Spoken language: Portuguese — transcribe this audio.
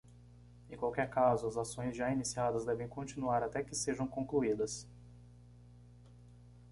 Em qualquer caso, as ações já iniciadas devem continuar até que sejam concluídas.